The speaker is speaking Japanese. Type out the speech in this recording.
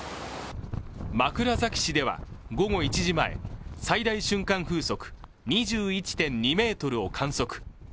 枕崎市では、午後１時前、最大瞬間風速２１．２メートルを観測。